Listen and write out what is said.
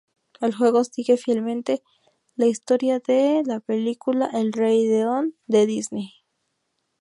El juego sigue fielmente la historia de la película El Rey León de Disney.